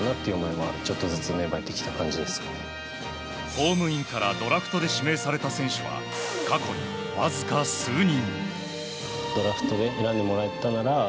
公務員からドラフトで指名された選手は過去にわずか数人。